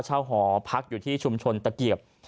หอพักอยู่ที่ชุมชนตะเกียบ